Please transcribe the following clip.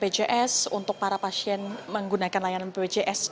bpjs untuk para pasien menggunakan layanan bpjs